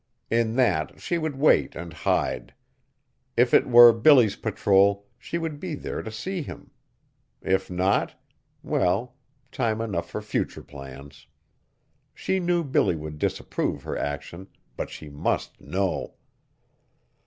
In that she would wait and hide. If it were Billy's patrol, she would be there to see him! If not? Well, time enough for future plans! She knew Billy would disapprove her action, but she must know!